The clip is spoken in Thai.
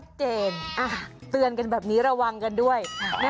เตือนกันแบบนี้ระวังกันด้วย